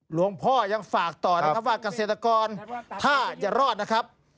หลวงพ่อยังฝากต่อนะครับว่าเกษตรกรถ้าจะรอดนะครับ